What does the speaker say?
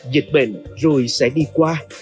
dịch bệnh rồi sẽ đi qua